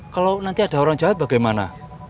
kalau nanti ada orang jawa bagaimana